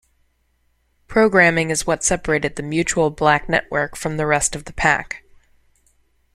Programming is what separated the Mutual Black Network from the rest of the pack.